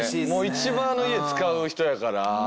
一番あの家使う人やから。